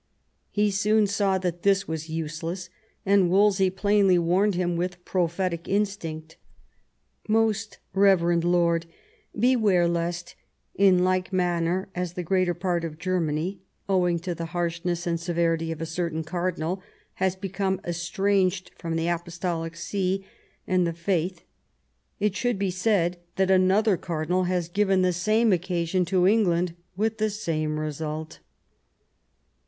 He soon saw that ihis was useless, and Wolsey plainly warned him with prophetic instinct. "Most reverend lord, beware lest, in like manner as the greater part of Germany, owing to the harshness and severity of a certain cardinal, has become estranged from the Apostolic See and the faith, it should be said that another cardinal has given the same occasion to England, with the same result."